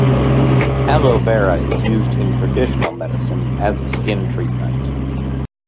"Aloe vera" is used in traditional medicine as a skin treatment.